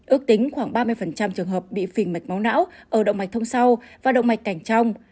ước tính khoảng ba mươi trường hợp bị phình mạch máu não ở động mạch thông sau và động mạch cảnh trong